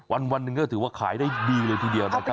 วันหนึ่งก็ถือว่าขายได้ดีเลยทีเดียวนะครับ